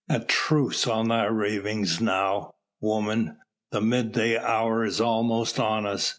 "A truce on thy ravings now, woman. The midday hour is almost on us.